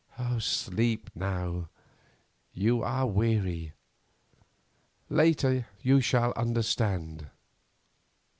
Sleep now, you are weary; later you shall understand.